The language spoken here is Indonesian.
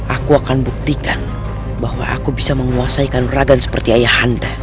aku akan buktikan bahwa aku bisa menguasai kanuragan seperti ayahanda